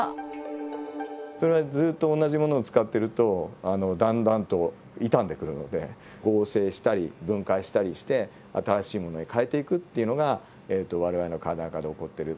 それはずっと同じ物を使ってるとだんだんと傷んでくるので合成したり分解したりして新しい物に変えていくっていうのが我々の体の中で起こっている。